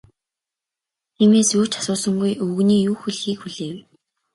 Тиймээс юу ч асуусангүй, өвгөний юу хэлэхийг хүлээв.